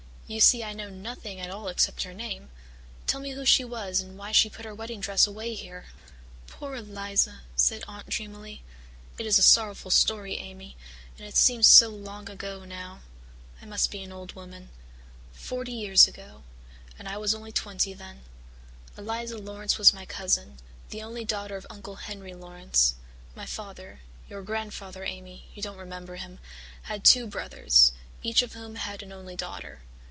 You see I know nothing at all except her name. Tell me who she was and why she put her wedding dress away here." "Poor Eliza!" said Aunt dreamily. "It is a sorrowful story, Amy, and it seems so long ago now. I must be an old woman. Forty years ago and I was only twenty then. Eliza Laurance was my cousin, the only daughter of Uncle Henry Laurance. My father your grandfather, Amy, you don't remember him had two brothers, each of whom had an only daughter.